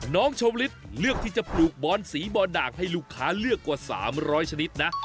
น้องชมลิศเลือกที่จะปลูกบอนสีบอลด่างให้ลูกค้าเลือกกว่า๓๐๐ชนิดนะ